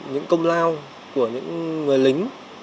những công lao của những người lính